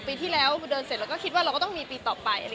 ปีที่แล้วเดินเสร็จเราก็คิดว่าเราก็ต้องมีปีต่อไป